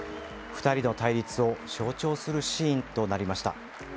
２人の対立を象徴するシーンとなりました。